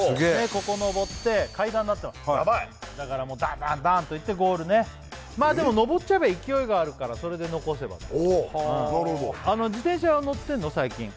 ここ上って階段になってますだからダンダンダンといってゴールねでも上っちゃえば勢いがあるからそれで残せばね